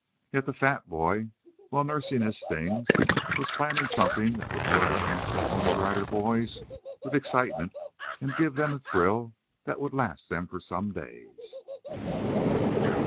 Yet the fat boy, while nursing his stings, was planning something that would fill the camp of the Pony Rider Boys with excitement and give them a thrill that would last them for some days.